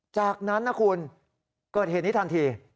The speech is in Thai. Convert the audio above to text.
จากนั้นนะคุณเกิดเหตุนี้ทันที